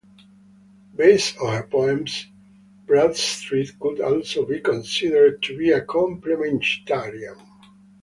Based on her poems, Bradstreet could also be considered to be a complementarian.